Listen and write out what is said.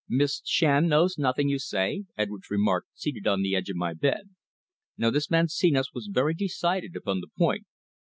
"Miss Shand knows nothing, you say?" Edwards remarked, seated on the edge of my bed. "No. This man Senos was very decided upon the point."